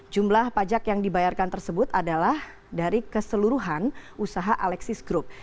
jumlah pajak yang dibayarkan tersebut adalah dari keseluruhan usaha alexis group